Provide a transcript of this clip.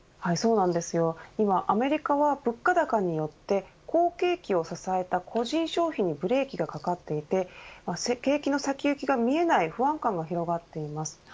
今、アメリカは物価高によって好景気を支えた個人消費にブレーキがかかっていて景気の先行きが見えない不安感が広がっています。